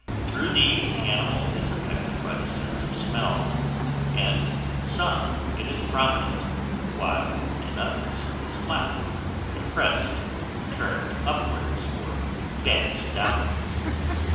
Through these the animal is affected by the sense of smell; and in some it is prominent, whilst in others it is flat, compressed, turned upwards, or bent downwards.